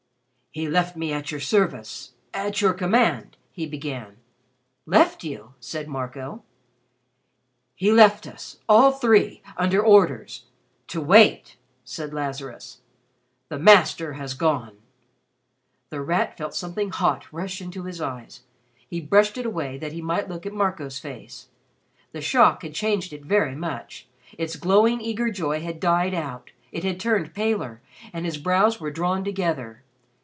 "He left me at your service at your command" he began. "Left you?" said Marco. "He left us, all three, under orders to wait," said Lazarus. "The Master has gone." The Rat felt something hot rush into his eyes. He brushed it away that he might look at Marco's face. The shock had changed it very much. Its glowing eager joy had died out, it had turned paler and his brows were drawn together.